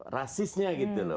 rasisnya gitu loh